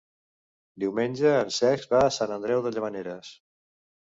Diumenge en Cesc va a Sant Andreu de Llavaneres.